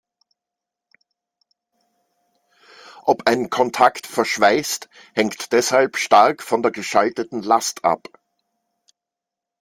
Ob ein Kontakt verschweißt, hängt deshalb stark von der geschalteten Last ab.